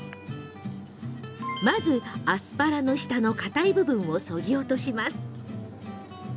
まず、アスパラの下のかたい部分をそぎ落とします。